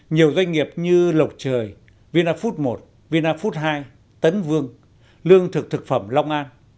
nhiều doanh nghiệp như lộc trời vinafood một vinafood hai tấn vương lương thực thực phẩm long an